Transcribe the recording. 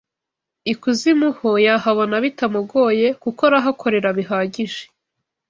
Ikuzimu ho yahabona bitamugoye kuko arahakorera bihagije